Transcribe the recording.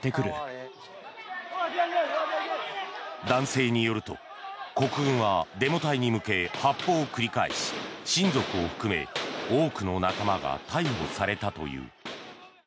男性によると、国軍はデモ隊に向け、発砲を繰り返し親族を含め多くの仲間が逮捕されたという。